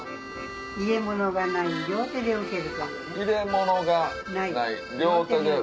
「入れものがない両手で受ける」。